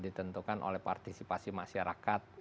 ditentukan oleh partisipasi masyarakat